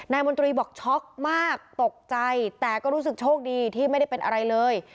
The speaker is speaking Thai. มนตรีบอกช็อกมากตกใจแต่ก็รู้สึกโชคดีที่ไม่ได้เป็นอะไรเลย